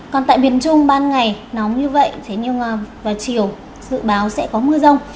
còn tại biển trung ban ngày nóng như vậy thế nhưng vào chiều dự báo sẽ có mưa rông